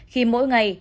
khi mỗi ngày